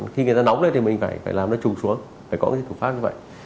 khi người ta nóng lên thì mình phải làm nó trùng xuống phải có cái thủ pháp như vậy